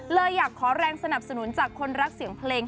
เลยอยากขอแรงสนับสนุนจากคนรักเสียงเพลง